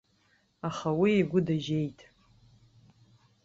Аха уи игәы дажьеит.